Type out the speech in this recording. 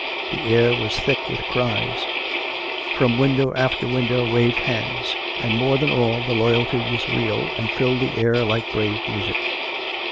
The air was thick with cries; from window after window waved hands; and, more than all, the loyalty was real, and filled the air like brave music.